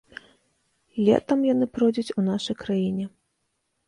Летам яны пройдуць у нашай краіне.